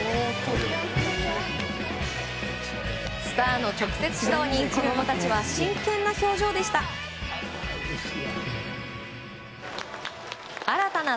スターの直接指導に子供たちは真剣な表情でした。